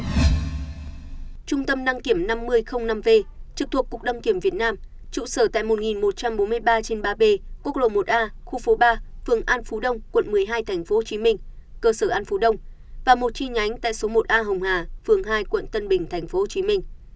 trung tâm đăng kiểm năm v trực thuộc cục đăng kiểm việt nam trụ sở tại một một trăm bốn mươi ba trên ba b quốc lộ một a khu phố ba phường an phú đông quận một mươi hai tp hcm cơ sở an phú đông và một chi nhánh tại số một a hồng hà phường hai quận tân bình tp hcm